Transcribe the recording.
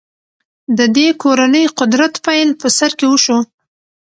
د دې کورنۍ قدرت پیل په سر کې وشو.